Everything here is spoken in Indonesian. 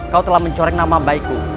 kau telah mencoreng nama baikku